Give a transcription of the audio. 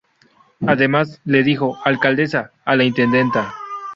Además, le dijo "alcaldesa" a la intendenta.